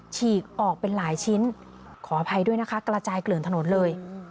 ฉีกออกเป็นหลายชิ้นขออภัยด้วยนะคะกระจายเกลื่อนถนนเลย